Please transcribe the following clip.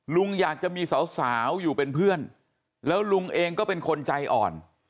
ลุงอยากจะมีสาวอยู่เป็นเพื่อนแล้วลุงเองก็เป็นคนใจอ่อน